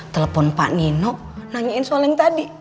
telepon pak nino nanyain soal yang tadi